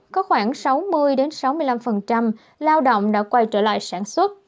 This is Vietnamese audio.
có khoảng sáu mươi sáu mươi năm lao động đã quay trở lại sản xuất